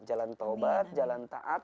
jalan taubat jalan taat